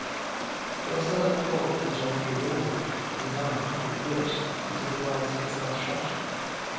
Russell F. Lord and John A. Roebling designed the bridge and supervised its construction.